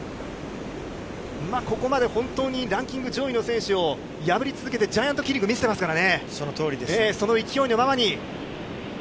ここまで本当にランキング上位の選手を敗ぶり続けて、ジャイアントキリングを見せていますからね。